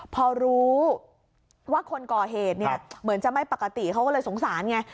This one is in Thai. พอรู้ว่าคนก่อเหตุเนี่ยเหมือนจะไม่ปกติเขาก็เลยสงสารไง